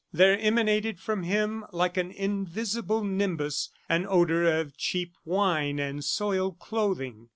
There emanated from him, like an invisible nimbus, an odor of cheap wine and soiled clothing.